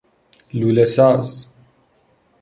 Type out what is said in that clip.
لوله ساز